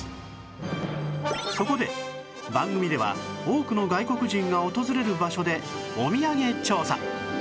そこで番組では多くの外国人が訪れる場所でお土産調査